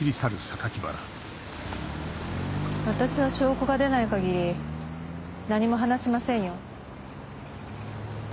私は証拠が出ない限り何も話しませんよ。